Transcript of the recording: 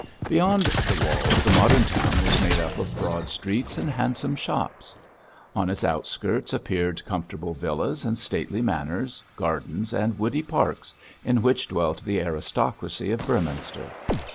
Beyond the walls the modern town was made up of broad streets and handsome shops. On its outskirts appeared comfortable villas and stately manors, gardens and woody parks, in which dwelt the aristocracy of Beorminster.